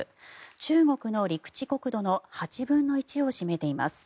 中国の陸地国土の８分の１を占めています。